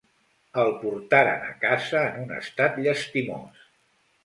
El portaren a casa en un estat llastimós.